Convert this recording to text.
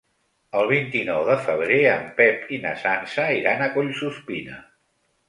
El vint-i-nou de febrer en Pep i na Sança iran a Collsuspina.